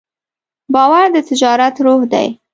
باور د تجارت روح دی.